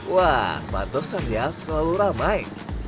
wah patosan ya selalu ramai